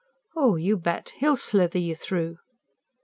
"Oh, you bet! He'll slither you through."